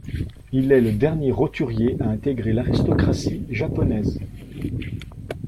Il est le dernier roturier à intégrer l'aristocratie japonaise.